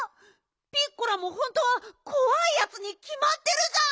ピッコラもほんとはこわいやつにきまってるじゃん！